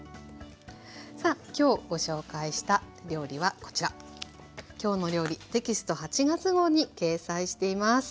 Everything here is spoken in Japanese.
さあきょうご紹介した料理はこちら「きょうの料理」テキスト８月号に掲載しています。